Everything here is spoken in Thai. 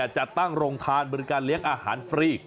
จัดตั้งโรงทานบริการเลี้ยงอาหารฟรี